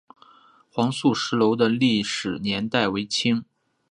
黄素石楼的历史年代为清。